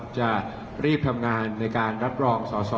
จะรีบทำงานในการรับรองสอสอ